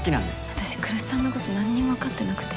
私来栖さんのこと何にもわかってなくて。